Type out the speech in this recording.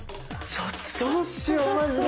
ちょっとどうしようマジで。